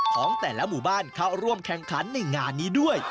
ของแต่ละหมู่บ้านเข้าร่วมแข่งขันในงานนี้ด้วย